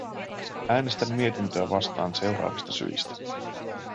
Äänestän mietintöä vastaan seuraavista syistä.